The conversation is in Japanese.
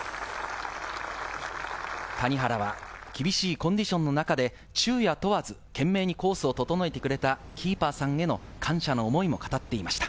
谷原は厳しいコンディションの中で、昼夜問わず、懸命にコースを整えてくれたキーパーさんへの感謝の思いも語っていました。